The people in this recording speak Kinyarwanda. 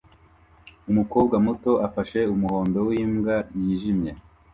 Umukobwa muto afashe umuhondo wimbwa yijimye